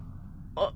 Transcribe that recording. あっ。